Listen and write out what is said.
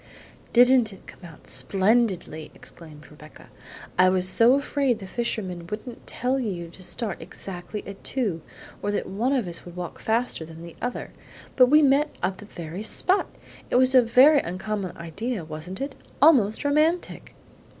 "Didn't it come out splendidly?" exclaimed Rebecca. "I was so afraid the fishman wouldn't tell you to start exactly at two, or that one of us would walk faster than the other; but we met at the very spot! It was a very uncommon idea, wasn't it? Almost romantic!"